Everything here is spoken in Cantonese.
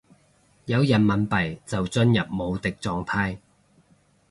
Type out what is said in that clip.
有人民幣就進入無敵狀態